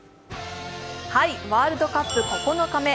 ワールドカップ９日目。